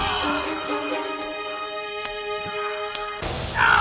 ああ！